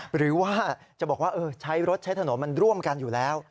หรือว่าจะบอกว่าใช้รถใช้ถนนมันร่วมกันอยู่แล้ว